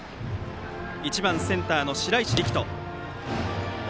１番センターの白石力翔から。